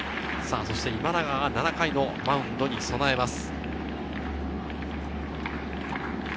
今永が７回のマウンドに備えます。